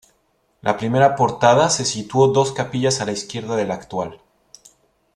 La primera portada se situó dos capillas a la izquierda de la actual.